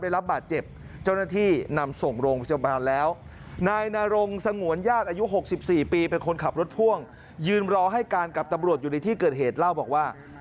ได้รับบาดเจ็บเจ้าหน้าที่นำส่งโรงพิจารณาแล้ว